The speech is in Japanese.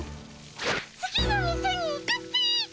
次の店に行くっピ。